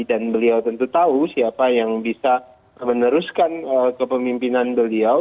dan beliau tentu tahu siapa yang bisa meneruskan kepemimpinan beliau